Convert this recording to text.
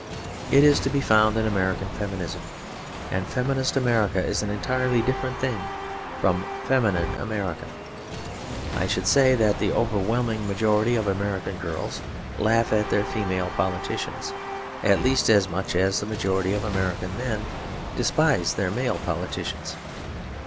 It is to be found in American feminism, and feminist America is an entirely different thing from feminine America. I should say that the overwhelming majority of American girls laugh at their female politicians at least as much as the majority of American men despise their male politicians.